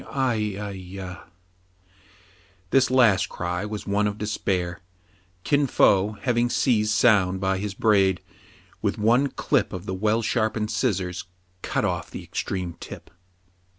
Ai, ai, ya !'^ This last cry was one of despair. Kin Fo, having . seized Soun by his braid, with one clip of the well sharpened scissors cut off the extreme tip.